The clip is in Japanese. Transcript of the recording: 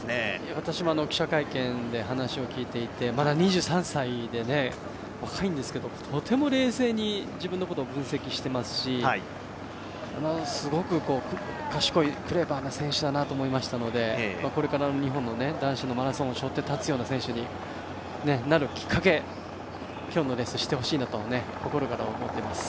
私も記者会見で話を聞いていてまだ２３歳で、若いんですけれどもとても冷静に自分のことを分析していますしすごく賢い、クレバーな選手だなと思いましたのでこれからの日本の男子マラソンを背負って立つ選手になるきっかけに、今日のレースしてほしいなと心から思っています。